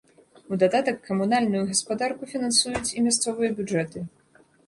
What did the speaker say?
У дадатак, камунальную гаспадарку фінансуюць і мясцовыя бюджэты.